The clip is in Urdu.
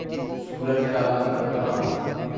سورج ل کا منظر تھا